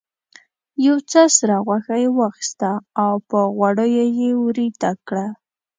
یو څه سره غوښه یې واخیسته او په غوړیو یې ویریته کړه.